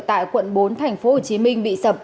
tại quận bốn tp hcm bị sập